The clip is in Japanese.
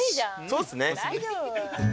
そうっすね。